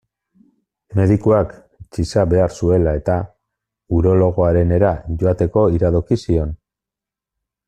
Medikuak, txiza behar zuela-eta, urologoarenera joateko iradoki zion.